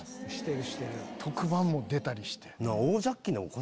特番も出たりして。